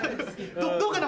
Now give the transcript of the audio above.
どうかな？